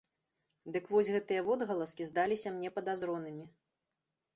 Дык вось гэтыя водгаласкі здаліся мне падазронымі.